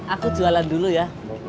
aku jualan dulu ya